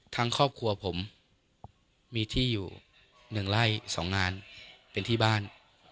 ครอบครัวผมมีที่อยู่๑ไร่๒งานเป็นที่บ้าน